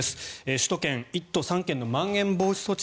首都圏１都３県のまん延防止措置